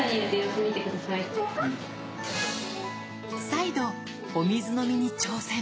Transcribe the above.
再度お水飲みに挑戦。